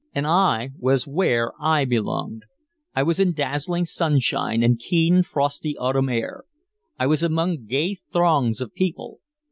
And I was where I belonged. I was in dazzling sunshine and keen frosty Autumn air. I was among gay throngs of people.